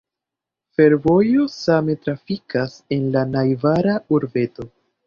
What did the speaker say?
Fervojo same trafikas en la najbara urbeto.